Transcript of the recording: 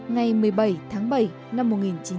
ngày một mươi bảy tháng bảy năm một nghìn chín trăm sáu mươi sáu